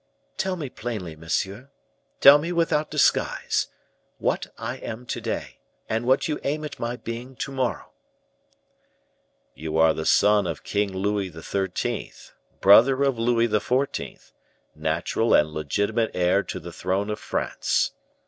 "Tell me plainly, monsieur tell me without disguise what I am to day, and what you aim at my being to morrow." "You are the son of King Louis XIII., brother of Louis XIV., natural and legitimate heir to the throne of France.